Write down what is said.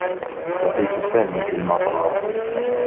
رأيت سامي في المطار.